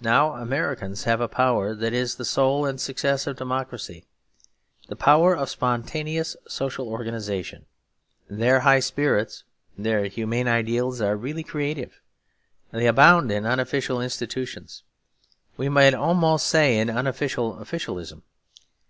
Now Americans have a power that is the soul and success of democracy, the power of spontaneous social organisation. Their high spirits, their humane ideals are really creative, they abound in unofficial institutions; we might almost say in unofficial officialism.